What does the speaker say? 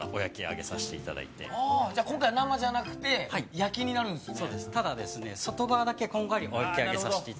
今回は生じゃなくて焼きになるんですね。